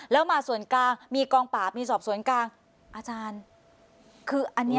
แล้วมาส่วนกลางมีกองปราบมีสอบสวนกลางอาจารย์คืออันนี้